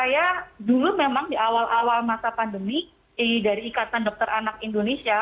saya dulu memang di awal awal masa pandemi dari ikatan dokter anak indonesia